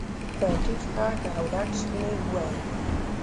په ټيټ غږ او ډک ستوني يې وويل.